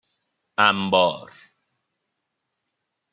انبار